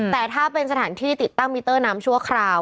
แต่ถ้าเป็นสถานที่ติดตั้งมิเตอร์น้ำชั่วคราว